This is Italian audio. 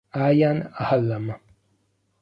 Ian Hallam